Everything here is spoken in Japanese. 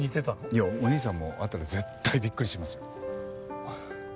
いやお義兄さんも会ったら絶対びっくりしますよ。